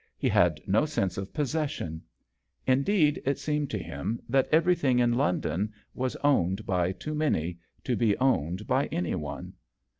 He had no sense of possession. Indeed it seemed to him that everything in London was owned by too many to be owned by any one.